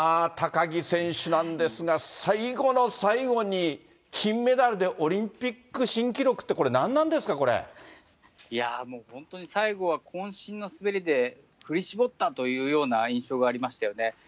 高木選手なんですが、最後の最後に金メダルでオリンピック新記録って、これ、何なんでいやー、もう本当に最後はこん身の滑りで、ふり絞ったというような印象がありましたよね。